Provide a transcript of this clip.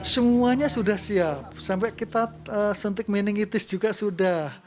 semuanya sudah siap sampai kita suntik meningitis juga sudah